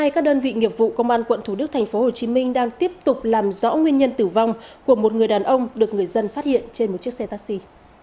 các đơn vị nghiệp vụ công an quận thủ đức thành phố hồ chí minh đang tiếp tục làm rõ nguyên nhân tử vong của một người đàn ông được người dân phát hiện trên một chiếc xe taxi